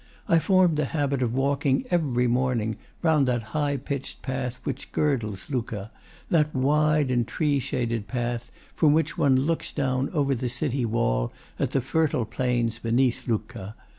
I formed the habit of walking, every morning, round that high pitched path which girdles Lucca, that wide and tree shaded path from which one looks down over the city wall at the fertile plains beneath Lucca.